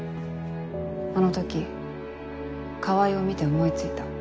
あの時川合を見て思い付いた。